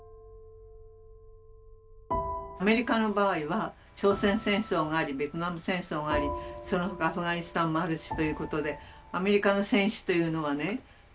アメリカの場合は朝鮮戦争がありベトナム戦争がありその他アフガニスタンもあるしということでアメリカの戦死というのはね